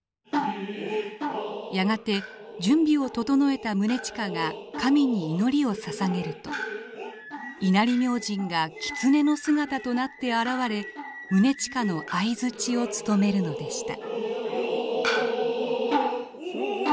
やがて準備を整えた宗近が神に祈りをささげると稲荷明神が狐の姿となって現れ宗近の相鎚をつとめるのでした。